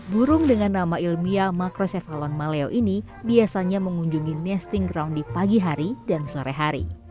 burung dengan nama ilmiah makrosefalon maleo ini biasanya mengunjungi nesting ground di pagi hari dan sore hari